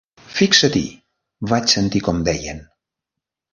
"Fixat-hi", vaig sentir com deien.